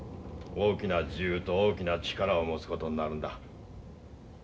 大きな自由と大きな力を持つ事になるんだ。